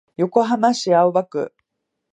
横浜市青葉区